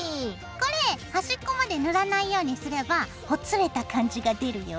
これ端っこまで塗らないようにすればほつれた感じが出るよ。